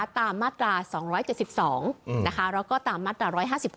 ตามมาตรา๒๗๒แล้วก็ตามมาตรา๑๕๙